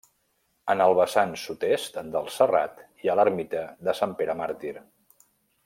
En el vessant sud-est del serrat hi ha l'ermita de Sant Pere Màrtir.